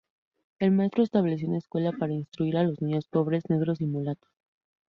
El maestro estableció una escuela para instruir a los niños pobres, negros y mulatos.